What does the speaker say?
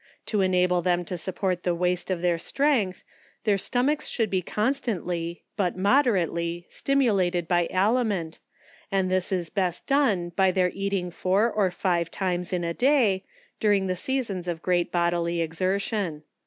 To enable them to support the waste of their strength, their stomach should be constant ly, but moderately stimulated by aliment, and this is best done by their eating four or five times in a day, during the seasons of great bodily exertion.